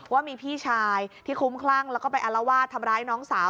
ว่ามีพี่ชายที่คุ้มคลั่งแล้วก็ไปอารวาสทำร้ายน้องสาว